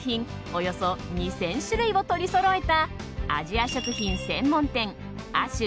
およそ２０００種類を取りそろえたアジア食品専門店亜州